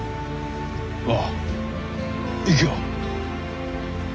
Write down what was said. ああ行くよ。